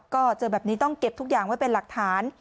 ก็เจอแบบนี้ต้องเก็บทุกอย่างไว้เป็นหลักฐาน